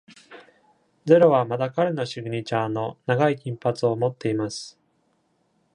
ゼロはまた彼のシグニチャーの長い金髪を持っています。